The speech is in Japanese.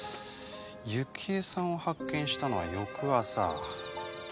雪枝さんを発見したのは翌朝。